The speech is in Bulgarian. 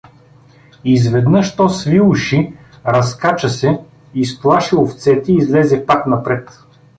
Изведнъж то сви уши, разскача се, изплаши овцете и излезе пак напред.